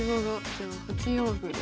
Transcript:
じゃあ８四歩で。